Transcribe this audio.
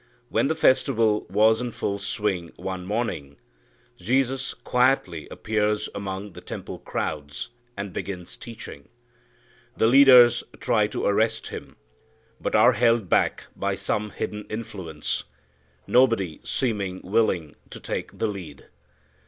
When the festival was in full swing, one morning, Jesus quietly appears among the temple crowds, and begins teaching. The leaders tried to arrest Him, but are held back by some hidden influence, nobody seeming willing to take the lead.